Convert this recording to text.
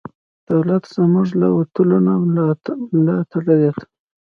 دولت زموږ لوټلو ته ملا تړلې ده.